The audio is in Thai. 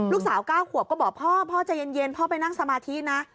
๙ขวบก็บอกพ่อพ่อใจเย็นพ่อไปนั่งสมาธินะ